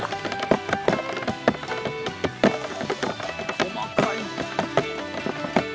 細かい！